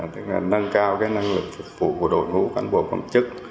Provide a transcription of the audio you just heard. tức là nâng cao cái năng lực phục vụ của đội ngũ cán bộ công chức